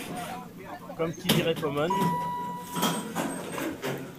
Comme qui dirait Pomone…